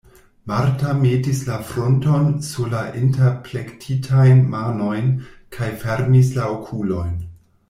Marta metis la frunton sur la interplektitajn manojn kaj fermis la okulojn.